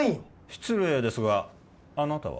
失礼ですがあなたは？